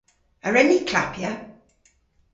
A wren ni klappya?